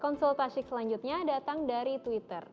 konsultasi selanjutnya datang dari twitter